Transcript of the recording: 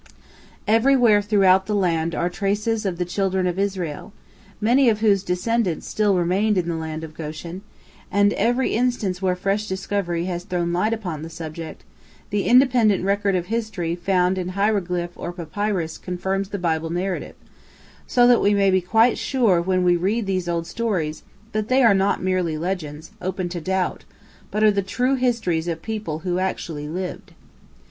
Everywhere throughout the land are traces of the children of Israel, many of whose descendants still remain in the land of Goshen, and in every instance where fresh discovery has thrown light upon the subject the independent record of history found in hieroglyph or papyrus confirms the Bible narrative, so that we may be quite sure when we read these old stories that they are not merely legends, open to doubt, but are the true histories of people who actually lived.